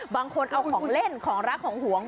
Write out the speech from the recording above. บางคนเอาของเล่นของรักของหวง